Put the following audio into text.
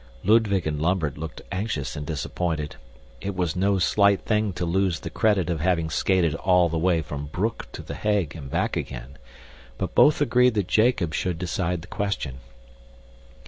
Ludwig and Lambert looked anxious and disappointed. It was no slight thing to lose the credit of having skated all the way from Broek to the Hague and back again, but both agreed that Jacob should decide the question.